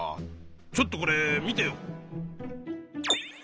ちょっとこれ見てよ。